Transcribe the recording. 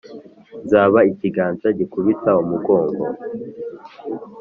nzaba ikiganza gikubita umugongo